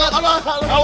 pakai pakai pakai